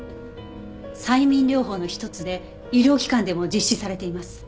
催眠療法の一つで医療機関でも実施されています。